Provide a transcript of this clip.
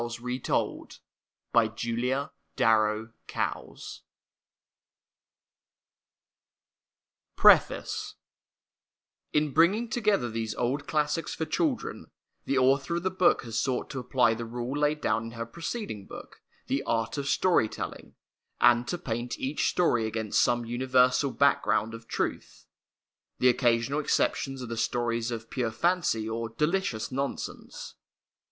(Sliintjpi ©ci,a:3!)7:J36 'hj» f PREFACE In bringing together these old classics for children, the author of the book has sought to apply the rule laid down in her preceding book, The Art of Story Telling, and to paint each story against some universal background of truth. The occasional exceptions are the stories of pure fancy or delicious nonsense.